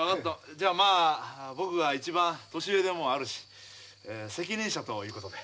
じゃまあ僕が一番年上でもあるし責任者ということで。